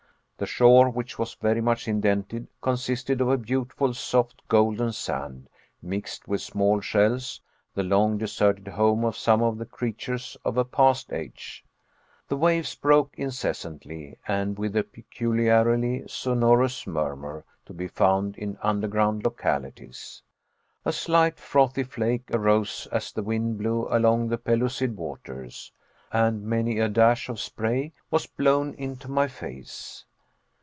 The shore, which was very much indented, consisted of a beautiful soft golden sand, mixed with small shells, the long deserted home of some of the creatures of a past age. The waves broke incessantly and with a peculiarly sonorous murmur, to be found in underground localities. A slight frothy flake arose as the wind blew along the pellucid waters; and many a dash of spray was blown into my face.